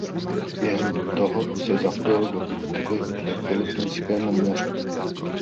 Během toho se zapojil do bitvy ve Filipínském moři.